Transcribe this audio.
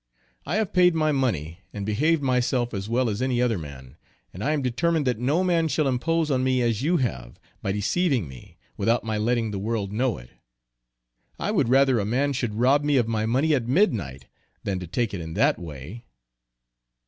I have paid my money, and behaved myself as well as any other man, and I am determined that no man shall impose on me as you have, by deceiving me, without my letting the world know it. I would rather a man should rob me of my money at midnight, than to take it in that way."